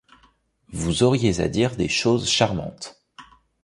Vous auriez à dire des choses charmantes.